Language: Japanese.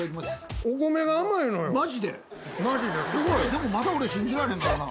でもまだ俺信じられへんからな。